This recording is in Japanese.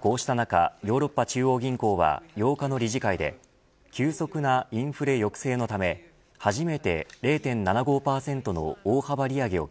こうした中ヨーロッパ中央銀行は８日の理事会で急速なインフレ抑制のため初めて０．７５％の大幅利上げを